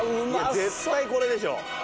絶対これでしょ。